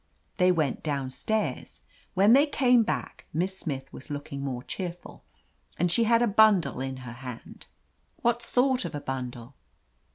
"They went down stairs. When they came back Miss Smith was looking more cheerful, and she had a bundle in her hand." "What sort of a bundle